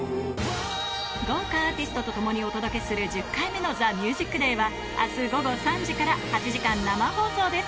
豪華アーティストと共にお届けする１０回目の『ＴＨＥＭＵＳＩＣＤＡＹ』は明日午後３時から８時間生放送です